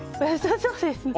そうですね。